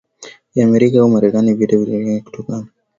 ya Amerika au Marekani Vita vilitokea kutokana